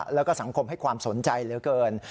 แล้วก็สังคมให้ความสนใจเหลือเกิน